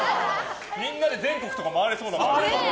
みんなで全国とか回れそうだもん。